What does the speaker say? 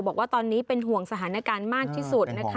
บอกว่าตอนนี้เป็นห่วงสถานการณ์มากที่สุดนะคะ